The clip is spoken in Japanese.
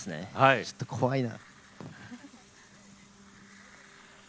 ちょっと怖いな。